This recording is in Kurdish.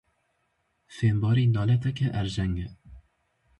Fêmbarî naleteke erjeng e.